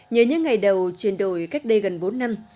nhớ những ngày đầu chuyển đổi cách đây gần bốn năm